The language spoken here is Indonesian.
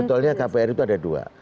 sebetulnya kpr itu ada dua